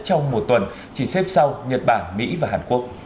trong một tuần chỉ xếp sau nhật bản mỹ và hàn quốc